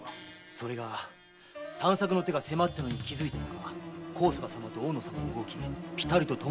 それが探索の手が迫ったのに気づいたのか高坂様と大野様の動きピタリと止まりましてございます。